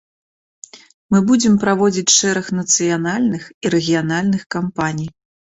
Мы будзем праводзіць шэраг нацыянальных і рэгіянальных кампаній.